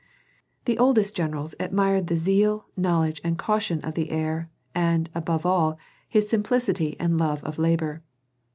The oldest generals admired the zeal, knowledge, and caution of the heir, and, above all, his simplicity and love of labor.